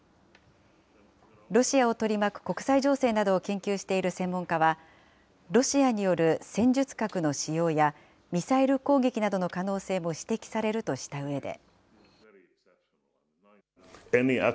ロシアを取り巻く国際情勢などを研究している専門家は、ロシアによる戦術核の使用や、ミサイル攻撃などの可能性も指摘されるとしたうえで。